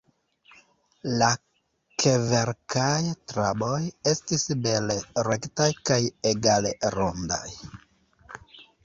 La kverkaj traboj estis bele-rektaj kaj egale-rondaj.